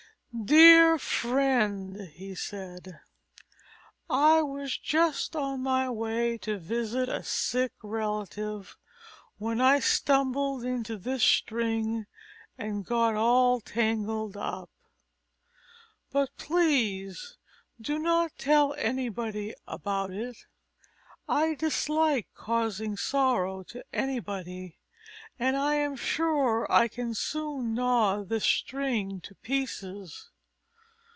"Dear friend," he said, "I was just on my way to visit a sick relative, when I stumbled into this string and got all tangled up. But please do not tell anybody about it. I dislike causing sorrow to anybody, and I am sure I can soon gnaw this string to pieces."